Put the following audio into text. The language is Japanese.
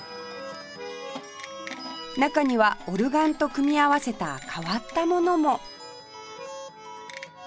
中にはオルガンと組み合わせた変わったものも